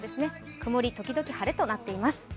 曇り時々晴れとなっています。